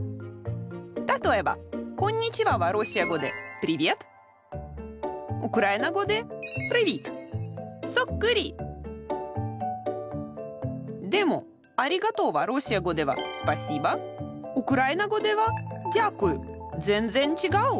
例えば「こんにちは」はロシア語で「プリヴェット」ウクライナ語で「プリヴィット」そっくり！でも「ありがとう」はロシア語では「スパシーバ」ウクライナ語では「ジャークユ」全然違う。